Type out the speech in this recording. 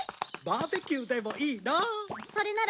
バーベキューでもいいな。